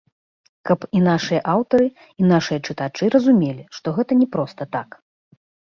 Каб і нашыя аўтары, і нашыя чытачы разумелі, што гэта не проста так.